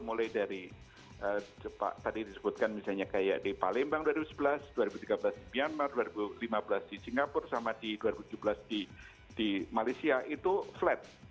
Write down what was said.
mulai dari tadi disebutkan misalnya kayak di palembang dua ribu sebelas dua ribu tiga belas di myanmar dua ribu lima belas di singapura sama di dua ribu tujuh belas di malaysia itu flat